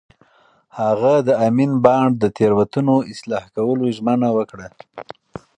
هغه د امین بانډ د تېروتنو اصلاح کولو ژمنه وکړه.